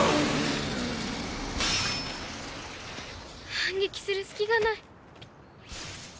反撃する隙が無い！